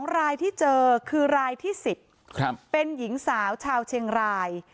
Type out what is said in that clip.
๒รายที่เจอคือรายที่๑๐เป็นหญิงสาวชาวเชียงราย